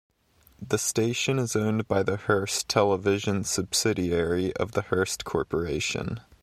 The station is owned by the Hearst Television subsidiary of the Hearst Corporation.